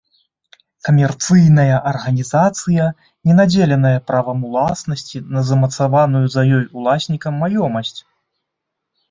Камерцыйная арганізацыя, не надзеленая правам уласнасці на замацаваную за ёй уласнікам маёмасць.